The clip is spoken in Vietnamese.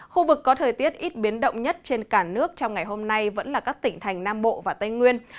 khu vực có thời tiết ít biến động nhất trên cả nước trong ngày hôm nay vẫn là các tỉnh thành nam bộ và tây nguyên